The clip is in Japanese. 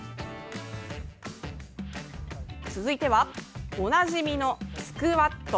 続いてはおなじみのスクワット。